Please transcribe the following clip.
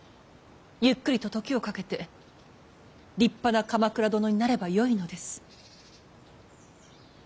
ゆっくりと時をかけて立派な鎌倉殿になればよいのです。